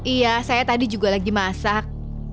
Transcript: iya saya tadi juga lagi masak